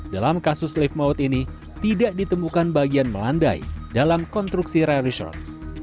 dalam kasus lift maut ini tidak ditemukan bagian melandai dalam konstruksi rail resort